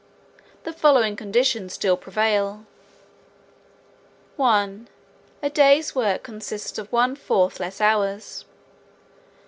The following conditions still prevail: 1. A day's work consists of one fourth less hours.